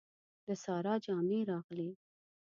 د سارا جامې راغلې.